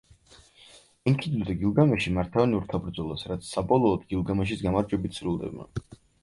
ენქიდუ და გილგამეში მართავენ ორთაბრძოლას, რაც საბოლოოდ გილგამეშის გამარჯვებით სრულდება.